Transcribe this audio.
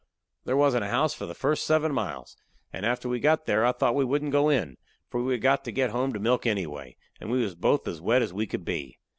There wasn't a house for the first seven miles, and after we got there I thought we wouldn't go in, for we had got to get home to milk anyway, and we was both as wet as we could be.